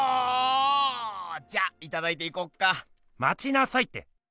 じゃいただいていこっか。まちなさいって！